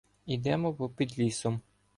Ідемо попід лісом.